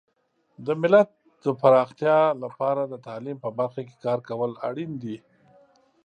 د ملت د پراختیا لپاره د تعلیم په برخه کې کار کول اړین دي.